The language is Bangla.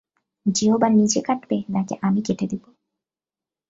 জিহ্বা নিজে কাটবে, নাকি আমি কেটে দিব?